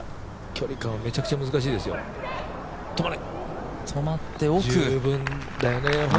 距離感、めちゃくちゃ難しいですよ十分だよね。